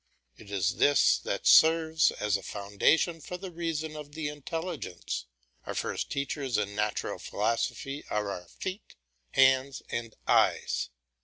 It is this that serves as a foundation for the reason of the intelligence; our first teachers in natural philosophy are our feet, hands, and eyes.